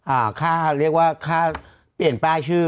เอ่อข้าเรียกว่าข้าเปลี่ยนป้าย